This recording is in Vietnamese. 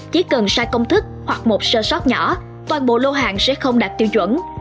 chỉ cần sai công thức hoặc một sơ sót nhỏ toàn bộ lô hàng sẽ không đạt tiêu chuẩn